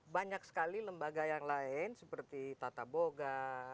banyak sekali lembaga yang lain seperti tata boga